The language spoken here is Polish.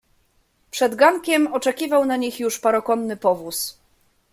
"Przed gankiem oczekiwał na nich już parokonny powóz."